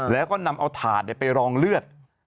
แล้วก็นำเอาถาดไปรองเลือด